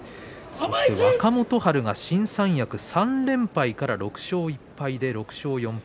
若元春が新三役３連敗から６勝１敗で６勝４敗。